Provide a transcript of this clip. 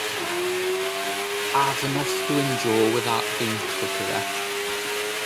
I've enough to endure without being tutted at.